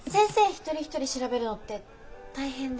一人一人調べるのって大変で。